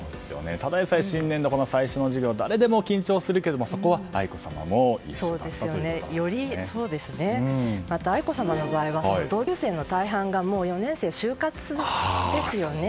ただでさえ、新年度最初の授業は誰でも緊張するけれどもそこは愛子さまもまた、愛子さまの場合は同級生の大半がもう４年生、就活ですよね。